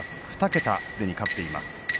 ２桁すでに勝っています。